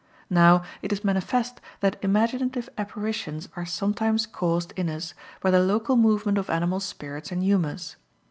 Now it is manifest that imaginative apparitions are sometimes caused in us by the local movement of animal spirits and humors.